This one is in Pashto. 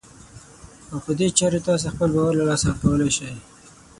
او په دې چارې تاسې خپل باور له لاسه ورکولای شئ.